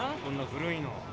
こんな古いの。